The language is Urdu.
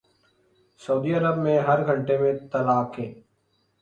سعودی عرب میں ہر گھنٹے میں طلاقیں